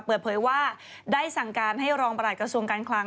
เปิดเผยว่าได้สั่งการให้รองประหลัดกระทรวงการคลัง